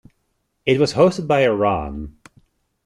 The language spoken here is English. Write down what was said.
It was hosted by Iran.